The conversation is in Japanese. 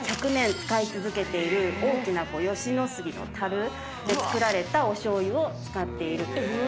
１００年使い続けている大きな吉野杉のたるで造られたお醤油を使っている。